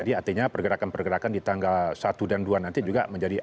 jadi artinya pergerakan pergerakan di tanggal satu dan dua nanti juga menjadi